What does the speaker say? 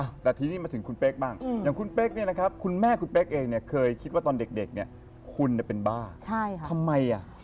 อ่ะแต่ทีนี้มาถึงคุณเพ็กบ้างอย่างคุณเพ็กคุณแม่คุณเพ็กเคยคิดว่าตอนเด็กเนี่ยคุณจะเป็นบ้าใช่ไหมทำไมอ่ะ